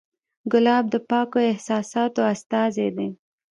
ګلاب د پاکو احساساتو استازی دی.